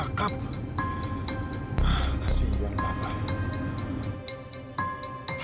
ah kasihan bapak